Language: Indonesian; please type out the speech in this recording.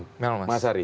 selamat malam mas ari